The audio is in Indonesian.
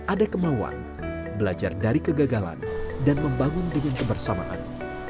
ada kemauan belajar dari kegagalan dan membangun dengan kebersamaan